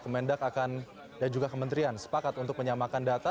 kemendak akan dan juga kementerian sepakat untuk menyamakan data